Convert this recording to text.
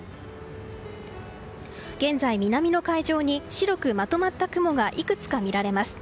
現在、南の海上に白くまとまった雲がいくつか見られます。